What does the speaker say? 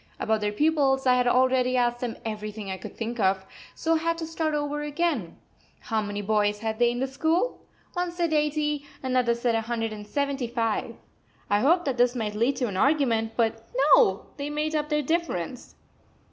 About their pupils I had already asked them everything I could think of, so I had to start over again: How many boys had they in the school? One said eighty, another said a hundred and seventy five. I hoped that this might lead to an argument, but no, they made up their difference.